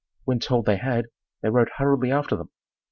When told they had, they rode hurriedly after them.